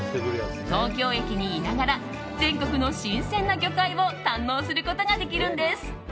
東京駅にいながら全国の新鮮な魚介を堪能することができるんです。